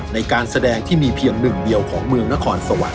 ในการแสดงที่มีเพียงหนึ่งเดียวของเมืองนครสวรรค